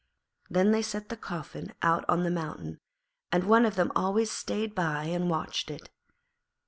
Then they set the coffin out on the mountain, and one of them always stayed by and watched it.